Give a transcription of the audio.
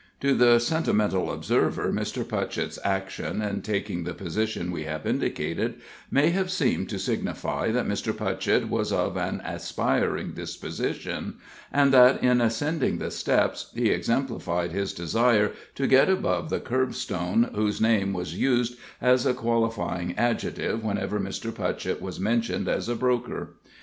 To the sentimental observer Mr. Putchett's action, in taking the position we have indicated, may have seemed to signify that Mr. Putchett was of an aspiring disposition, and that in ascending the steps he exemplified his desire to get above the curbstone whose name was used as a qualifying adjective whenever Mr. Putchett was mentioned as a broker.